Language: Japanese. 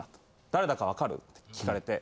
「誰だかわかる？」って聞かれて。